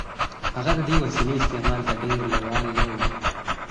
هغه د دې وسیلې استعمال ته ډېر لېوال نه و